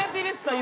今。